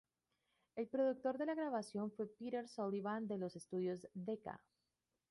El productor de la grabación fue Peter Sullivan, de los estudios Decca.